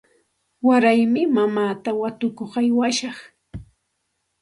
Waraymi mamaata watukuq aywashaq.